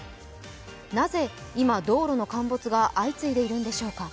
なぜ今、道路の陥没が相次いでいるんでしょうか。